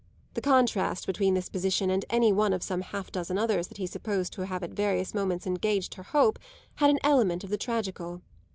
The contrast between this position and any one of some half dozen others that he supposed to have at various moments engaged her hope had an element of the tragical.